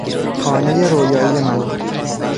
خانهی رویایی من